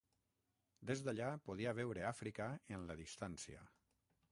Des d'allà podia veure Àfrica en la distància.